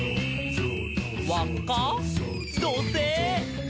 「わっか？どせい！」